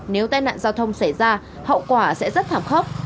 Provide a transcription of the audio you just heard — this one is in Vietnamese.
nếu tai nạn giao thông xảy ra hậu quả sẽ rất thảm khốc